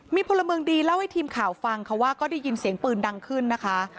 มีพลเมืองดีเล่าให้ทีมข่าวฟังค่ะว่าก็ได้ยินเสียงปืนดังขึ้นนะคะ